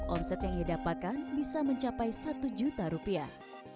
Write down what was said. omset yang ia dapatkan bisa mencapai satu juta rupiah